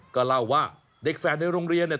ก็เล่าว่าเด็กแฝดในโรงเรียนเนี่ย